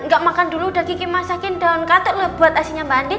gak makan dulu udah kiki masakin daun kate lebat asinya mbak andin